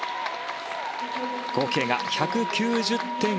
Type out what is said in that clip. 合計が１９０．４４。